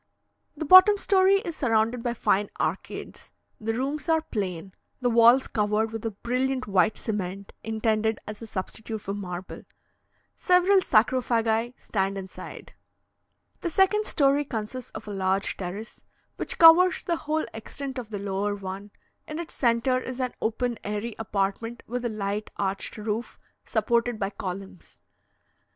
The bottom story is surrounded by fine arcades; the rooms are plain, the walls covered with a brilliant white cement, intended as a substitute for marble. Several sarcophagi stand inside. The second story consists of a large terrace, which covers the whole extent of the lower one; in its centre is an open airy apartment with a light arched roof, supported by columns.